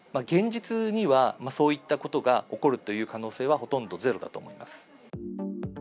現実にはそういったことが起こるという可能性はほとんどゼロだと思います。